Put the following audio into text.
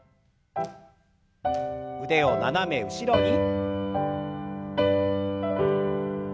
腕を斜め後ろに。